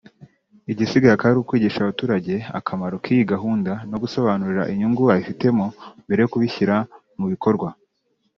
igisigaye akaba ari ukwigisha abaturage akamaro k’iyi gahunda no gusobanurira inyungu babifitemo mbere yo kubishyira mu bikorwa